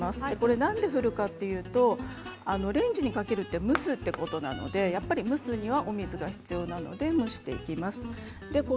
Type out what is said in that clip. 何で振るかというとレンジにかけるって蒸すということなので蒸すにはお水が必要なので蒸していきます。